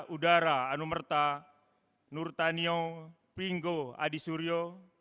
udara anumerta nur tanio pingo adi suryo